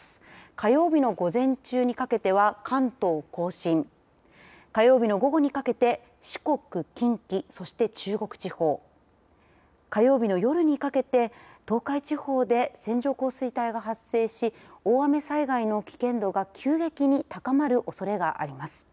火曜日の午前中にかけては関東甲信火曜日の午後にかけて四国、近畿、そして中国地方火曜日の夜にかけて東海地方で線状降水帯が発生し大雨災害の危険度が急激に高まるおそれがあります。